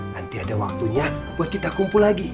nanti ada waktunya buat kita kumpul lagi